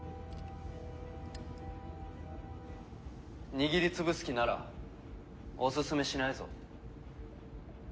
握り潰す気ならおすすめしないぞ。